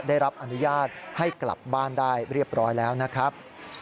ได้รับอนุญาตให้กลับบ้านได้เรียบร้อยแล้วนะครับ